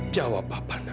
jawab papa nak